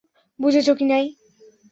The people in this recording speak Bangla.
বুঝেছ, কিনাই?